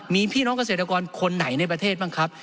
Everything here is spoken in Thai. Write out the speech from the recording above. มีพี่น้องเกษตรกรคนไหนในประเทศบ้างครับ